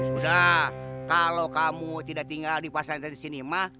sudah kalau kamu tidak tinggal di pesantren di sini mak